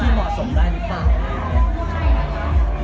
ที่เหมาะสมได้รึเปล่า